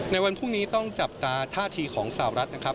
ในวันพรุ่งนี้ต้องจับตาท่าทีของสาวรัฐนะครับ